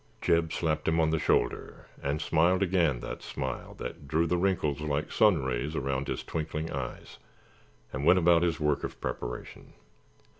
Jeb slapped him on the shoulder and smiled again that smile that drew the wrinkles like sun rays around his twinkling eyes, and went about his work of preparation.